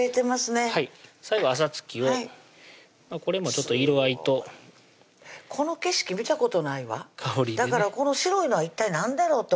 最後あさつきをこれも色合いとこの景色見たことないわだからこの白いのは一体何だろうと思うんでしょうね